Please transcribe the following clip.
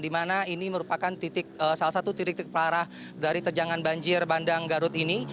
di mana ini merupakan salah satu titik titik parah dari terjangan banjir bandang garut ini